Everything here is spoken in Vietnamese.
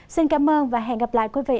xin cảm ơn và hẹn gặp lại quý vị ở bản tin